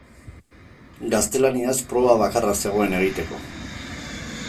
Gaztelaniaz proba bakarra zegoen egiteko.